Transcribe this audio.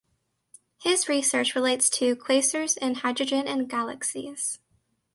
His research relates to quasars and hydrogen in galaxies.